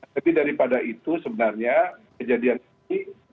jadi daripada itu sebenarnya kejadian ini